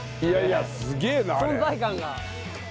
存在感が。